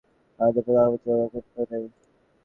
মাননীয় প্রধানমন্ত্রী, ওরকম কেউ নেই।